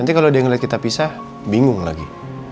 nanti kalau dia ngeliat kita pisah bingung lagi